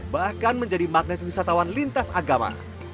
bahkan menjadi magnet wisatawan lintas agama